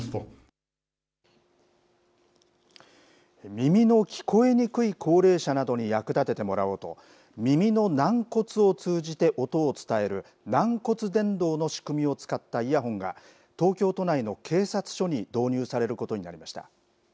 耳の聞こえにくい高齢者などに役立ててもらおうと、耳の軟骨を通じて音を伝える、軟骨伝導の仕組みを使ったイヤホンが、東京都内の警察署に導入されることになりました。